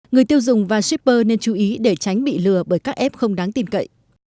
người tiêu dùng và shipper nên chú ý để tránh bị lừa bởi các app không đáng tin cậy